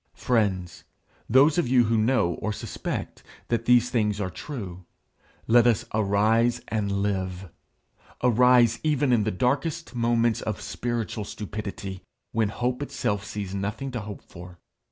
Friends, those of you who know, or suspect, that these things are true, let us arise and live arise even in the darkest moments of spiritual stupidity, when hope itself sees nothing to hope for.